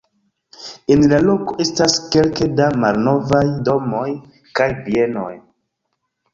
En la loko estas kelke da malnovaj domoj kaj bienoj.